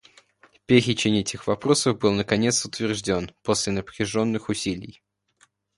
Перечень этих вопросов был наконец утвержден после напряженных усилий.